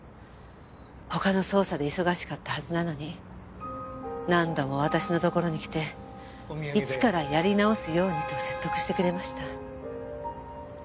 他の捜査で忙しかったはずなのに何度も私の所に来て一からやり直すようにと説得してくれました。